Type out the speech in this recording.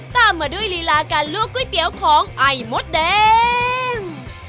ตามมาด้วยลีลาการลวกก๋วยเตี๋ยวของไอมดแดง